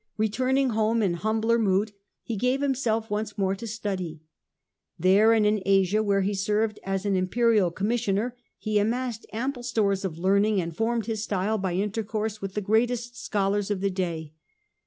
Returning home in humbler mood, he gave himself once more to study. There and in Asia, where he served as an imperial com missioner, he amassed ample stores of learning and formed his style by intercourse with the greatest scholars of the day.